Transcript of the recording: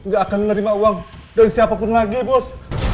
gak akan menerima uang dari siapapun lagi bos